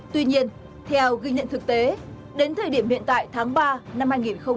tuy nhiên theo ghi nhận thực tế đến thời điểm hiện tại tháng ba năm hai nghìn hai mươi